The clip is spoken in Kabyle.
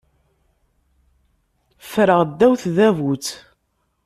Ffreɣ ddaw tdabut.